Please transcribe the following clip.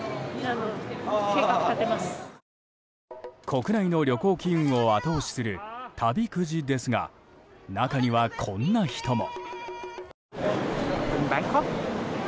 国内の旅行機運を後押しする旅くじですが中には、こんな人も。